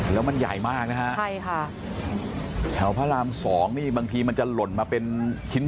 แล้วมันใหญ่มากนะฮะใช่ค่ะแถวพระราม๒นี่บางทีมันจะหล่นมาเป็นชิ้น